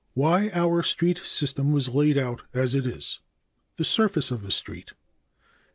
(c) Why our street system was laid out as it is. (d) The surface of the street.